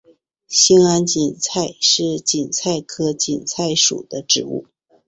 兴安堇菜是堇菜科堇菜属的植物。